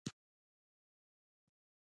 د زنجبیل شیره د څه لپاره وکاروم؟